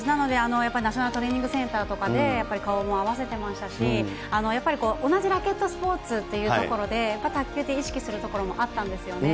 やっぱりナショナルトレーニングセンターとかでやっぱり顔も合わせてましたし、やっぱり同じラケットスポーツというところで、卓球って意識するところもあったんですよね。